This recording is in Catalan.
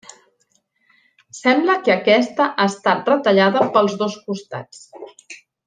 Sembla que aquesta ha estat retallada pels dos costats.